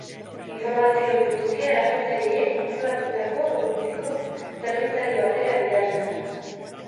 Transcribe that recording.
Informazio hori guztia erasotzaileek kontrolatutako urrutiko zerbitzari batera bidaltzen da.